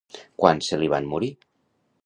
Quan se li van morir?